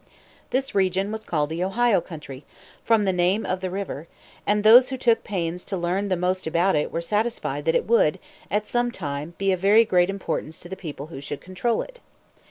This region was called the Ohio Country, from the name of the river; and those who took pains to learn the most about it were satisfied that it would, at some time, be of very great importance to the people who should control it.